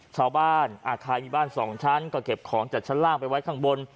ชาวบ้านใครมีบ้านสองชั้นก็เก็บของจากชั้นล่างไปไว้ข้างบน